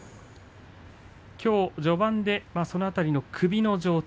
きょう序盤でその辺りの首の状態